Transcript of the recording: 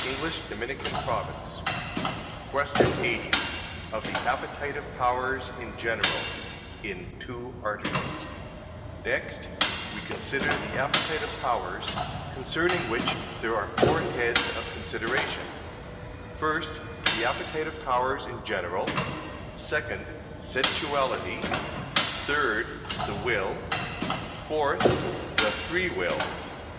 _______________________ QUESTION 80 OF THE APPETITIVE POWERS IN GENERAL (In Two Articles) Next we consider the appetitive powers, concerning which there are four heads of consideration: first, the appetitive powers in general; second, sensuality; third, the will; fourth, the free will.